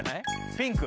ピンク。